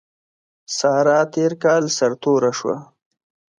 سارا تېر کال سر توره شوه.